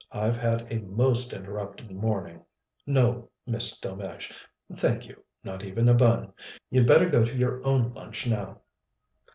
I've had a most interrupted morning. No, Miss Delmege, thank you, not even a bun. You'd better go to your own lunch now."